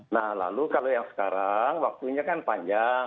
nah lalu kalau yang sekarang waktunya kan panjang